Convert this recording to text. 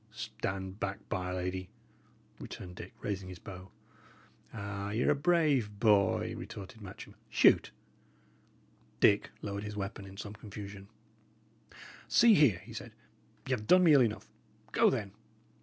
"Stand back, by 'r Lady!" returned Dick, raising his bow. "Ah, y' are a brave boy!" retorted Matcham. "Shoot!" Dick lowered his weapon in some confusion. "See here," he said. "Y' have done me ill enough. Go, then.